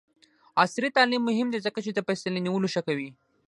عصري تعلیم مهم دی ځکه چې د فیصلې نیولو ښه کوي.